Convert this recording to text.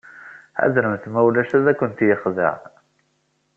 Ḥadremt ma ulac ad kent-yexdeɛ.